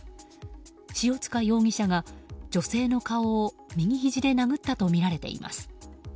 塩塚容疑者が女性の顔を右ひじで殴ったとみられています。